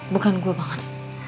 bukan gue banget